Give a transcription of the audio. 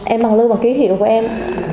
em bằng lưu và ký hiệu của em